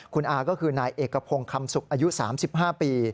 คุณอาก็คือนายเอกพงศ์คำสุกอายุ๓๕ปี